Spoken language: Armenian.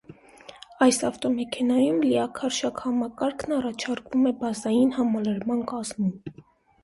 Այս ավտոմեքենայում լիաքարշակ համակարգն առաջարկվում է բազային համալրման կազմում։